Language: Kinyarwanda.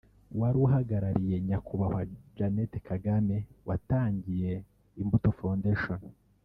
wari uhagarariye Nyakubahwa Janet Kagame watangije Imbuto Foundation